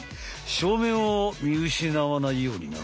正面を見失わないようにな。